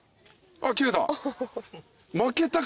あっ切れた。